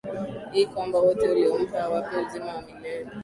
ili kwamba wote uliompa awape uzima wa milele